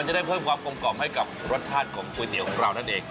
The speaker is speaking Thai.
จะได้เพิ่มความกลมกล่อมให้กับรสชาติของก๋วยเตี๋ยวของเรานั่นเอง